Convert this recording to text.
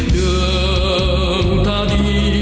đường ta đi